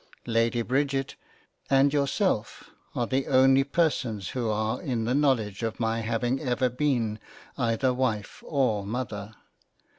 Lady Bridget, and yourself are the only persons who are in the knowledge of my having ever been either Wife or Mother.